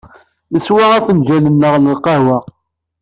Neswa afenǧal-nneɣ n lqahwa.